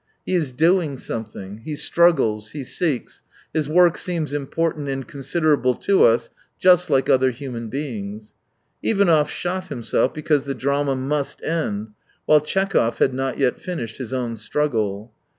He is doing something, he struggles, he seeks, his work seems important and considerable to us, just like other human works. Ivanov shot himself because the drama must end, while Tchekhov had not yet finished his own struggle.